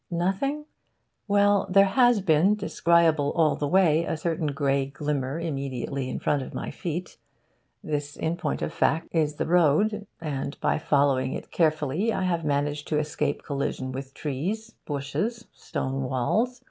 Nothing? Well, there has been descriable, all the way, a certain grey glimmer immediately in front of my feet. This, in point of fact, is the road, and by following it carefully I have managed to escape collision with trees, bushes, stone walls.